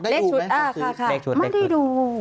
อ๋อเลขชุดเลขชุด